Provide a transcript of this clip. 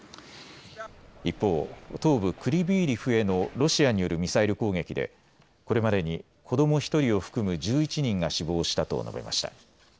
一方、東部クリビーリフへのロシアによるミサイル攻撃でこれまでに子ども１人を含む１１人が死亡したと述べました。